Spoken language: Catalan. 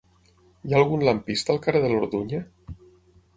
Hi ha algun lampista al carrer de l'Orduña?